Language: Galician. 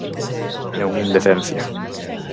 É unha indecencia.